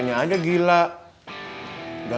sang likely pada